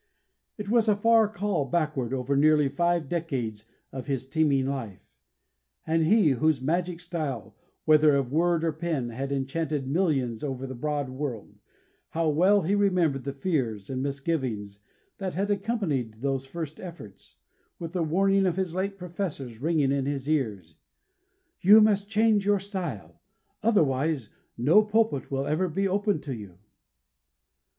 It was a far call backward over nearly five decades of his teeming life. And he, whose magic style, whether of word or pen, had enchanted millions over the broad world how well he remembered the fears and misgivings that had accompanied those first efforts, with the warning of his late professors ringing in his ears: "You must change your style, otherwise no pulpit will ever be open to you."